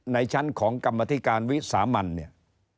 ในชั้นของกรรมธิการวิสามันเนี่ย